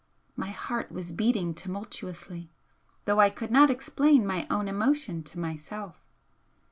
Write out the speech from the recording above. My heart was beating tumultuously, though I could not explain my own emotion to myself.